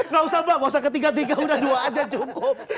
nggak usah mbak nggak usah ketiga tiga udah dua aja cukup